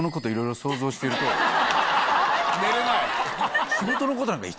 寝れない？